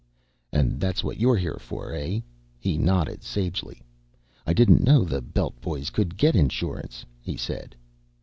"And that's what you're here for, eh?" He nodded sagely. "I didn't know the Belt boys could get insurance," he said.